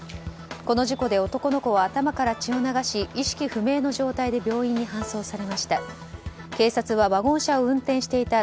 この事故で男の子は頭から血を流し意識不明の状態で病院に搬送されました。